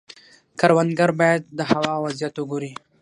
کروندګر باید د هوا وضعیت وګوري.